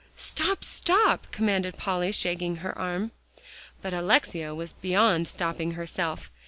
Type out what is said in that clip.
"Stop stop!" commanded Polly, shaking her arm. But Alexia was beyond stopping herself.